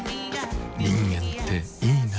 人間っていいナ。